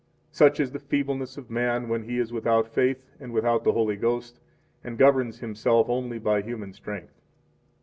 Such is the feebleness of man when he is without faith and without the Holy Ghost, and governs himself only by human strength.